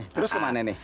terus ke mana nih